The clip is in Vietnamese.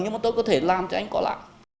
nhưng mà tôi có thể làm cho anh có lãi